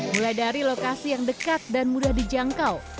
mulai dari lokasi yang dekat dan mudah dijangkau